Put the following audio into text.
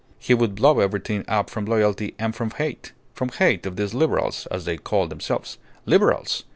He would blow everything up from loyalty and from hate from hate of these Liberals, as they call themselves. Liberals!